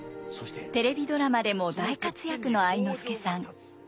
テレビドラマでも大活躍の愛之助さん。